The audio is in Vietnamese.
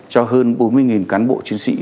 cho hơn bốn mươi cán bộ chiến sĩ